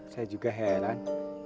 saya juga heran